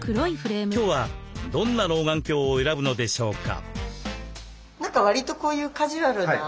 今日はどんな老眼鏡を選ぶのでしょうか？